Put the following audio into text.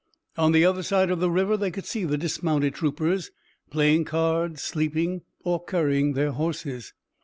On the other side of the river they could see the dismounted troopers, playing cards, sleeping or currying their horses.